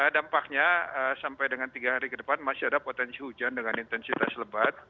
dampaknya sampai dengan tiga hari ke depan masih ada potensi hujan dengan intensitas lebat